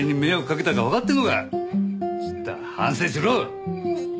ちったあ反省しろ！